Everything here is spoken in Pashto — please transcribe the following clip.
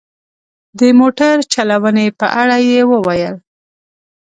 د موټر چلونې په اړه یې وویل.